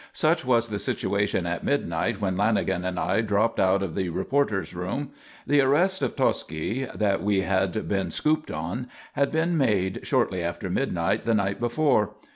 Such was the situation at midnight when Lanagan and I dropped out of the reporters' room. The arrest of Tosci that we had been "scooped" on had been made shortly after midnight the night before.